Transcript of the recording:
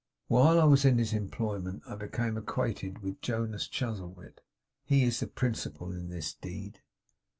While I was in his employment I became acquainted with Jonas Chuzzlewit. He is the principal in this deed.